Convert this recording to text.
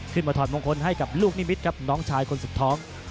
ถอดมงคลให้กับลูกนิมิตรครับน้องชายคนสุดท้อง